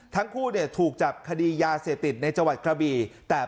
ทั้งคู่เนี่ยถูกจับคดียาเสพติดในจังหวัดกระบีแต่